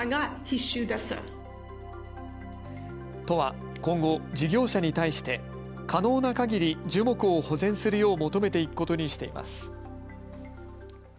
都は今後、事業者に対して可能なかぎり樹木を保全するよう求めていくことにしています。